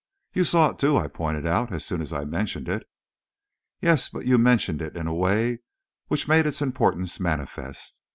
"You saw it, too," I pointed out, "as soon as I mentioned it." "Yes; but you mentioned it in a way which made its importance manifest.